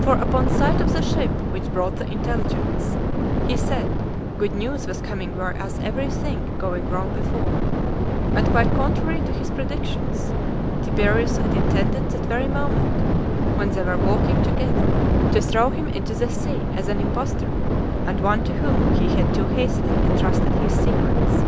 For, upon sight of the ship which brought the intelligence, he said, good news was coming whereas every thing going wrong before, and quite contrary to his predictions, Tiberius had intended that very moment, when they were walking together, to throw him into the sea, as an impostor, and one to whom he had too hastily entrusted his secrets.